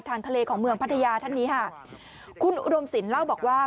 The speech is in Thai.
ทางทะเลของเมืองพัทยาท่านนี้ค่ะคุณอุดมศิลปเล่าบอกว่า